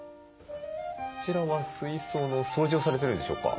こちらは水槽の掃除をされてるんでしょうか？